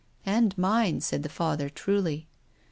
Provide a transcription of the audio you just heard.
" And mine," said the Father, truly.